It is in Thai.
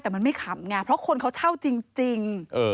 แต่มันไม่ขำไงเพราะคนเขาเช่าจริง